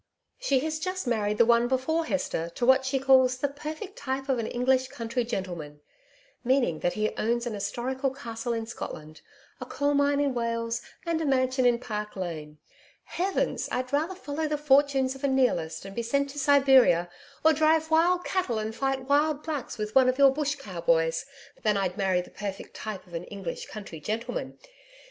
She has just married the one before Hester to what she calls the perfect type of an English country gentleman meaning that he owns an historical castle in Scotland, a coal mine in Wales and a mansion in Park Lane. Heavens! I'd rather follow the fortunes of a Nihilist and be sent to Siberia, or drive wild cattle and fight wild blacks with one of your Bush cowboys, than I'd marry the perfect type of an English country gentleman!